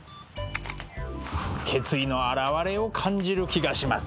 決意の表れを感じる気がします。